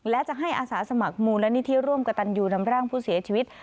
และจะให้อาสาสมัครมูลนิธิร่วมกับตันยูนำร่างผู้เสียชีวิต